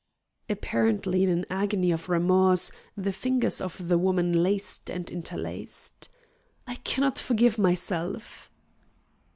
Apparently in an agony of remorse, the fingers of the woman laced and interlaced. "I cannot forgive myself!"